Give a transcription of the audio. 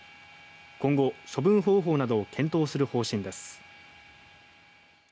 今後、処分方法などを検討する方針です。